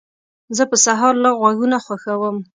زه په سهار لږ غږونه خوښوم.